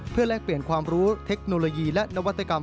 แลกเปลี่ยนความรู้เทคโนโลยีและนวัตกรรม